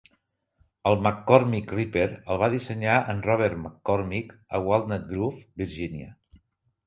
El "McCormick Reaper" el va dissenyar en Robert McCormick a Walnut Grove, Virgínia.